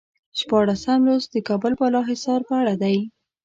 شپاړسم لوست د کابل بالا حصار په اړه دی.